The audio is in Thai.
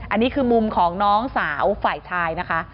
อันนี้คือมุมของน้องสาวฝ่ายชายนะคะ